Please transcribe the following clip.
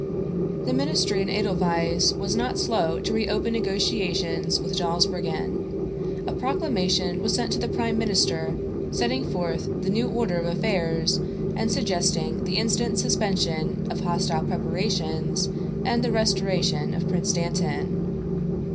The ministry in Edelweiss was not slow to reopen negotiations with Dawsbergen. A proclamation was sent to the prime minister, setting forth the new order of affairs and suggesting the instant suspension of hostile preparations and the restoration of Prince Dantan.